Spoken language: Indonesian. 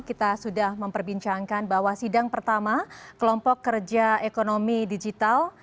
kita sudah memperbincangkan bahwa sidang pertama kelompok kerja ekonomi digital